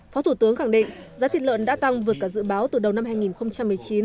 phó thủ tướng khẳng định giá thịt lợn đã tăng vượt cả dự báo từ đầu năm hai nghìn một mươi chín